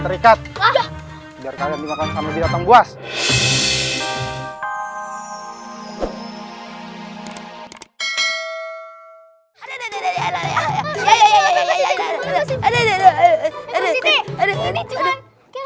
singkat bingung buas ada te entwickayain